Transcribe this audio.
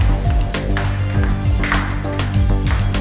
kenapa kamu menangis si bayinya diego